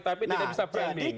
tapi tidak bisa framing